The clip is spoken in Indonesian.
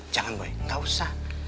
jangan boy gak usah